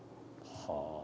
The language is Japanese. はあ。